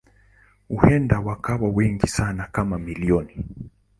Huenda wakawa wengi sana kama milioni.